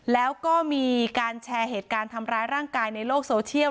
แล้วก็มีการแชร์เหตุการณ์ทำร้ายร่างกายในโลกโซเชียล